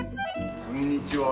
こんにちは。